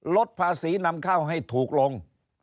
ลดภาษีนำเข้าให้ถูกลง